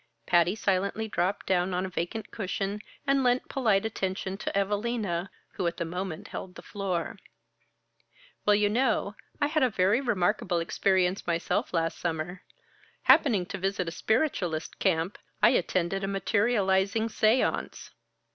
Patty silently dropped down on a vacant cushion, and lent polite attention to Evalina, who at the moment held the floor. "Well, you know, I had a very remarkable experience myself last summer. Happening to visit a spiritualist camp, I attended a materializing séance."